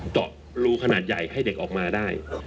เจาะรูขนาดใหญ่ให้เด็กออกมาได้